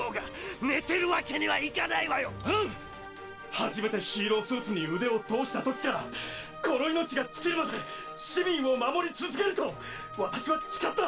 初めてヒーロースーツに腕を通した時からこの命が尽きるまで市民を守り続けると私は誓った！